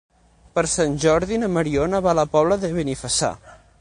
Per Sant Jordi na Mariona va a la Pobla de Benifassà.